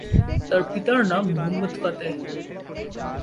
তার পিতার নাম মুহাম্মদ ফাতেহ।